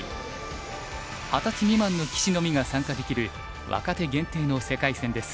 二十歳未満の棋士のみが参加できる若手限定の世界戦です。